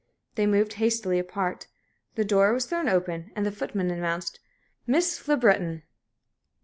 They moved hastily apart. The door was thrown open, and the footman announced, "Miss Le Breton."